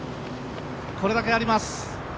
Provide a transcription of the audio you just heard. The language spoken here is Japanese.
これだけあります。